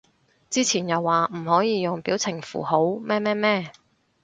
之前又話唔可以用表情符號乜乜乜